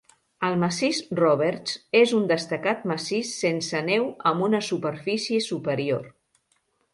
El Massís Roberts és un destacat massís sense neu amb una superfície superior.